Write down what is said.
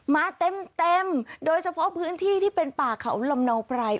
มาเต็มเต็มโดยเฉพาะพื้นที่ที่เป็นป่าเขาลำเนาไพร